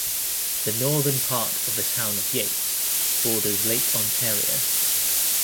The northern part of the Town of Yates borders Lake Ontario.